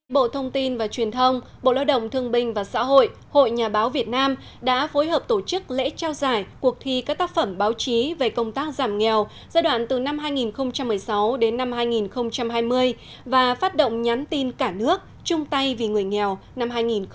bộ thông tin và truyền thông bộ lao động thương binh và xã hội hội nhà báo việt nam đã phối hợp tổ chức lễ trao giải cuộc thi các tác phẩm báo chí về công tác giảm nghèo giai đoạn từ năm hai nghìn một mươi sáu đến năm hai nghìn hai mươi và phát động nhắn tin cả nước chung tay vì người nghèo năm hai nghìn hai mươi